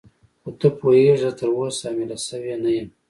خو ته پوهېږې زه تراوسه حامله شوې نه یم.